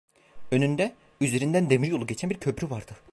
Önünde, üzerinden demiryolu geçen bir köprü vardı.